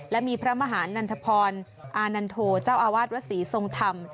และมีพระมหานันทพรอานันโทเจ้าอาวาสวัดศรีทรงธรรม